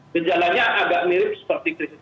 gejalanya agak mirip seperti krisis